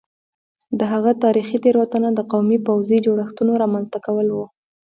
د هغه تاریخي تېروتنه د قومي پوځي جوړښتونو رامنځته کول وو